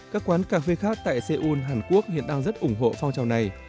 các quán cà phê khác tại seoul hàn quốc hiện đang rất ủng hộ phong trào này